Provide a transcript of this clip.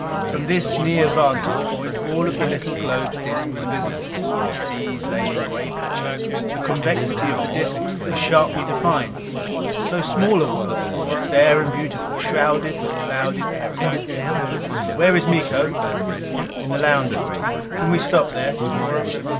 From this near vantage point, all of the little globe's disc was visible. The seas lay in gray patches. The convexity of the disc was sharply defined. So small a world! Fair and beautiful, shrouded with clouded areas. "Where is Miko?" "In the lounge, Gregg?" "Can we stop there?"